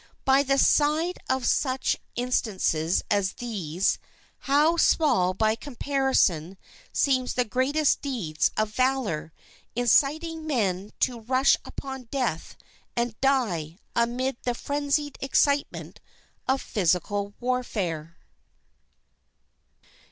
By the side of such instances as these, how small by comparison seem the greatest deeds of valor, inciting men to rush upon death and die amid the frenzied excitement of physical warfare.